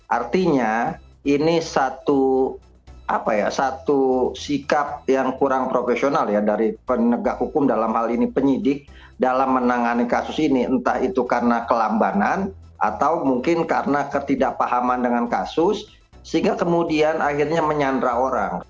artinya ini satu sikap yang kurang profesional ya dari penegak hukum dalam hal ini penyidik dalam menangani kasus ini entah itu karena kelambanan atau mungkin karena ketidakpahaman dengan kasus sehingga kemudian akhirnya menyandra orang